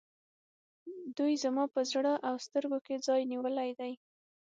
دوی زما په زړه او سترګو کې ځای نیولی دی.